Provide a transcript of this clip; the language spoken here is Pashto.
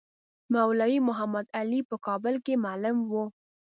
مولوی محمدعلي په کابل کې معلم وو.